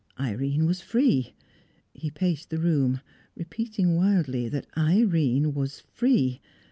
Irene was free. He paced the room, repeating wildly that Irene was free.